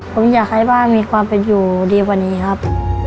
ผมอยากให้บ้านมีความเป็นอยู่ดีกว่านี้ครับ